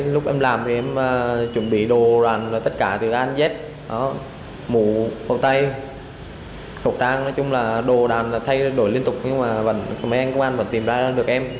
lúc em làm thì em chuẩn bị đồ đoàn và tất cả từ an jet mũ hộp tay hộp trang nói chung là đồ đoàn thay đổi liên tục nhưng mà mấy anh công an vẫn tìm ra được em